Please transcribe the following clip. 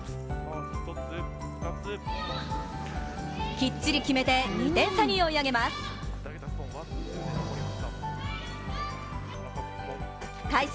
きっちり決めて２点差に追い上げます。